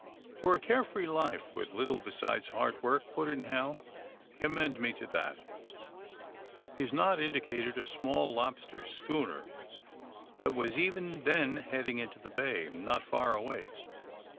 ''For a care free life, with little besides hard work," put in Hal, '^ commend me to that." His nod indicated a small lobster schooner that AND THE SMUGGLERS 33 was even then heading into the bay, and not far away.